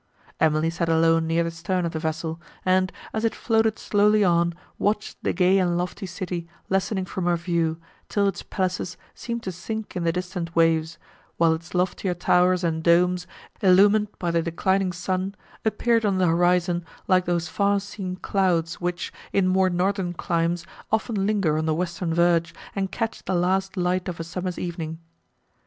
Emily sat alone near the stern of the vessel, and, as it floated slowly on, watched the gay and lofty city lessening from her view, till its palaces seemed to sink in the distant waves, while its loftier towers and domes, illumined by the declining sun, appeared on the horizon, like those far seen clouds which, in more northern climes, often linger on the western verge, and catch the last light of a summer's evening.